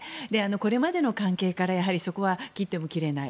これまでの関係からそこは切っても切れない。